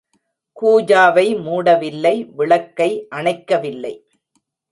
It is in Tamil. கூஜாவை மூடவில்லை விளக்கை அணைக்கவில்லை.